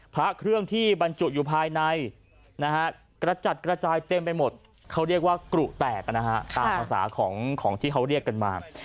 พระเครื่องที่บรรจุอยู่ภายในนะฮะกระจัดกระจายเต็มไปหมดเขาเรียกว่ากรุแตกนะฮะตามภาษาของที่เขาเรียกกันมา